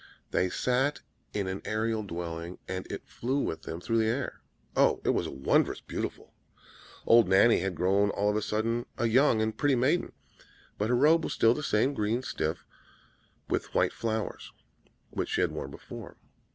They sat in an aerial dwelling, and it flew with them through the air. Oh, it was wondrous beautiful! Old Nanny had grown all of a sudden a young and pretty maiden; but her robe was still the same green stuff with white flowers, which she had worn before.